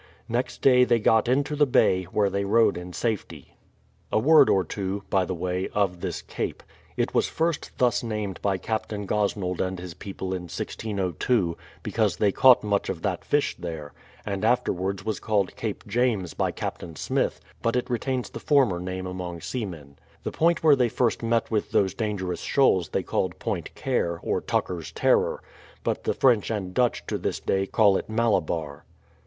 Next day they got into the bay, where they rode in safety. A word or two, by the way, of this Cape. It was first thus named by Captain Gosnold and his people in 1602, because they caught much of that fish there ; and afterwards was called Cape James by Captain Smith ; but it retains the former name among seamen. The point where they first met with those dangerous shoals they called Point Care, or Tucker's Terror ; but the French and Dutch to this day call it Malabar.